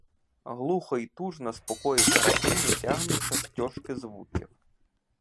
Глухо й тужно з покоїв графині тягнуться стьожки звуків.